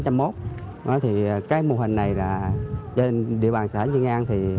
cái mô hình này trên địa bàn xã nhân an